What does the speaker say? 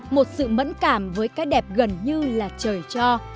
một sự mẫn cảm với cái đẹp gần như là trời cho